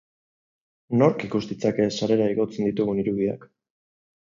Nork ikus ditzake sarera igotzen ditugun irudiak?